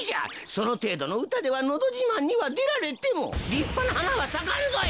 そのていどのうたでは「のどじまん」にはでられてもりっぱなはなはさかんぞい！